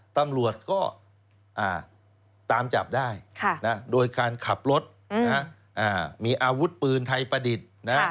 ตำรวจก็ตามจับได้โดยการขับรถมีอาวุธปืนไทยประดิษฐ์